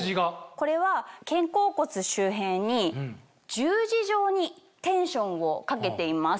これは肩甲骨周辺に十字状にテンションをかけています。